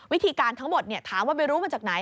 วิธีการทั้งหมดถามว่าไปรู้มาจากไหน